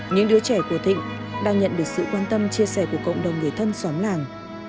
những đứa trẻ của thịnh đang nhận được sự quan tâm chia sẻ của cộng đồng người thân xóm làng